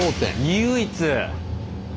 唯一！